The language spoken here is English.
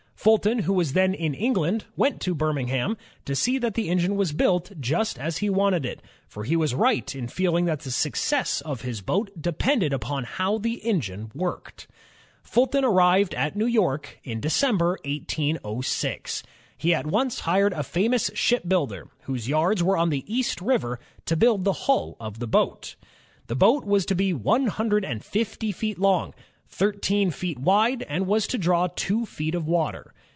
Fulton, who was then in England, went to Birmingham to see that the engine was built just as he wanted it; for he was right in feeling that the success of his boat de pended upon how the engine worked. Fulton arrived at New York in December, 1806. He at once hired a famous shipbuilder, whose yards were on the East River, to build the hull of the boat. The boat was to be one hundred ROBERT FULTON 4 1 and nfty feet long, thirteen feet wide, and was to draw two feet of water.